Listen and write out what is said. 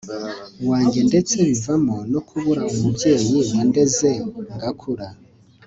wanjye ndetse bivamo no kubura umubyeyi wandeze ngakura